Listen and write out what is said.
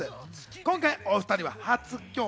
今回お２人は初共演。